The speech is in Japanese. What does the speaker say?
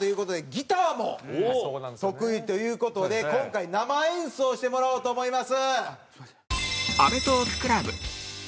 ギターも得意という事で今回生演奏してもらおうと思います！